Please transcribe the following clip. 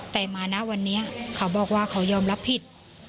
แต่มาณวันนี้เขาบอกว่าเขายอมรับผิด